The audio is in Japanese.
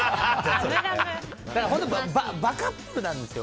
本当、バカップルなんですよ